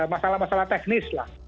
masalah masalah teknis lah